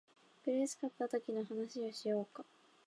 苦しかったときの話をしようか